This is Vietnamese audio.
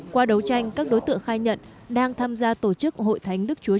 qua đấu tranh các đối tượng khai nhận đang tham gia tổ chức hội thánh đức chúa